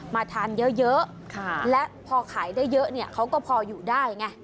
มาทานเยอะและพอขายได้เยอะเนี่ยเขาก็พออยู่ได้ไง